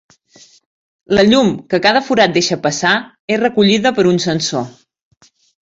La llum que cada forat deixa passar és recollida per un sensor.